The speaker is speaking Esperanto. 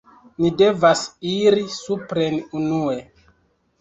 Ni devas iri supren unue